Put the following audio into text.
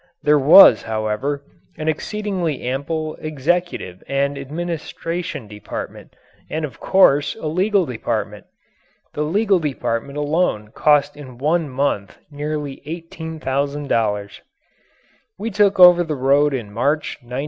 There was, however, an exceedingly ample executive and administration department, and of course a legal department. The legal department alone cost in one month nearly $18,000. We took over the road in March, 1921.